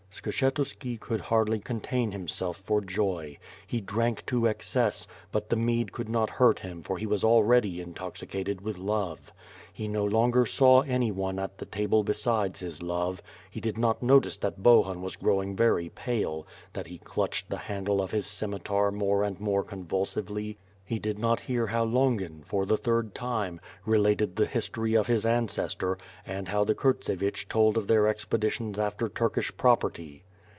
Skshetuski could hardly contain himself for joy. He drank to excess, but the mead could not hurt him for he was already intoxicated with love. He no longer saw anyone at the table besides his Love; he did not notice that Bohun was growing very pale; that he clutched the handle of his scimitar more and more convulsively; he did not hear how Ix)ngin, for the third time, related the history of his ancestor, and how the Kurtsevich told of their expeditions after Turkish property.